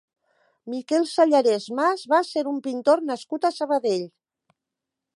Miquel Sallarès Mas va ser un pintor nascut a Sabadell.